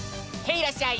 いらっしゃい！